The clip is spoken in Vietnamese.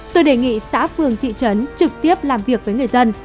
tôi đề nghị xã phường thị trấn trực tiếp làm việc với người dân